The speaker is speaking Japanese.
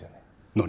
何？